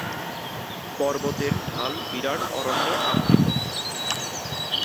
পর্বতের ঢাল বিরাট অরণ্যে আবৃত।